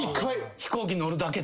飛行機乗るだけで？